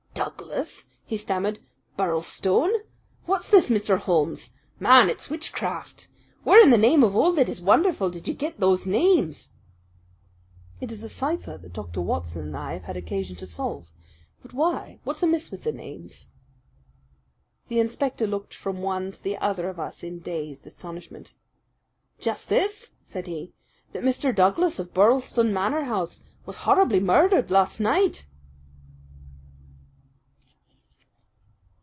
"Douglas!" he stammered. "Birlstone! What's this, Mr. Holmes? Man, it's witchcraft! Where in the name of all that is wonderful did you get those names?" "It is a cipher that Dr. Watson and I have had occasion to solve. But why what's amiss with the names?" The inspector looked from one to the other of us in dazed astonishment. "Just this," said he, "that Mr. Douglas of Birlstone Manor House was horribly murdered last night!"